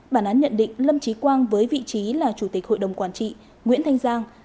bản án nhận định lâm trí quang với vị trí là chủ tịch hội đồng quản trị nguyễn thanh giang